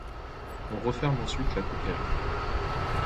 On referme ensuite la coupelle.